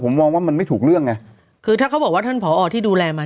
ผมมองว่ามันไม่ถูกเรื่องไงคือถ้าเขาบอกว่าท่านผอที่ดูแลมัน